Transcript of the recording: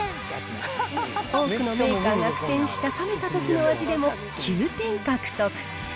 多くのメーカーが苦戦した冷めたときの味でも９点獲得。